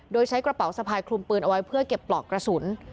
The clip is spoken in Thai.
โดยใช้กระเป๋าสะพายคลุมปืนเอาไว้เพื่อเก็บปลอกกระสุน